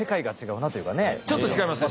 ちょっと違いますか？